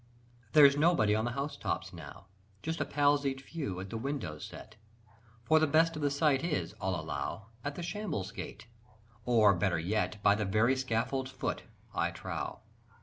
There's nobody on the house tops now Just a palsied few at the windows set; For the best of the sight is, all allow, At the Shambles' Gate or, better yet, By the very scaffold's foot, I trow.